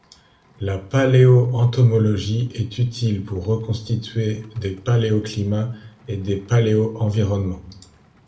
La paléoentomologie est utile pour reconstituer des paléoclimats et des paléoenvironnements.